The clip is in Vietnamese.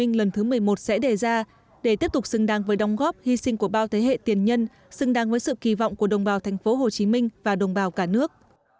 ngân thứ một mươi một sẽ đề ra để tiếp tục xứng đáng với đồng góp hy sinh của bao thế hệ tiền nhân xứng đáng với sự kỳ vọng của đồng bào tp hcm và đồng bào cả nước